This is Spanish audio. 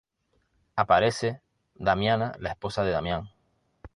Aparece Damiana la esposa de Damián.